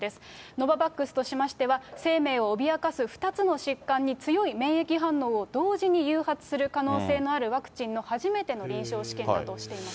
ノババックスとしましては、生命を脅かす２つの疾患に強い免疫反応を同時に誘発する可能性のあるワクチンの初めての臨床試験だとしています。